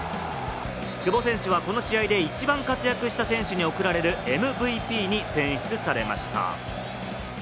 久保選手はこの試合で一番活躍した選手に贈られるＭＶＰに選出されました。